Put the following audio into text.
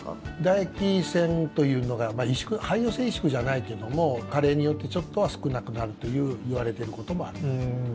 だ液腺というのが萎縮廃用性萎縮じゃないけども加齢によってちょっとは少なくなるといわれてることもある。